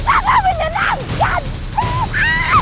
malah dicap loket ya